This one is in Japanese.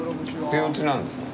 手打ちなんですか？